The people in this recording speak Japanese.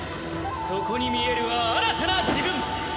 そこに見えるは新たな自分！